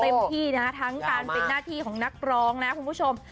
เต็มที่นะทั้งการเป็นนาธิของนักร้องนะครับคุณผู้ชม